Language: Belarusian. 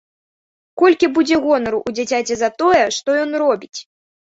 Колькі будзе гонару ў дзіцяці за тое, што ён робіць!